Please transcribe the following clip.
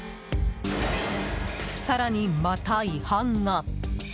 更に、また違反が。